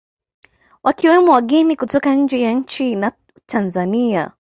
Wakiwemo wageni kutoka nje ya nchi na Watanzania